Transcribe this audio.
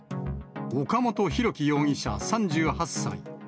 岡本大樹容疑者３８歳。